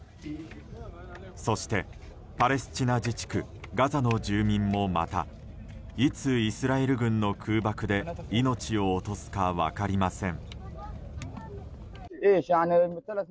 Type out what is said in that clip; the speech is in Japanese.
そして、パレスチナ自治区ガザの住民もまたいつイスラエル軍の空爆で命を落とすか分かりません。